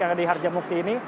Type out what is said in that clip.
yang ada di harjamukti ini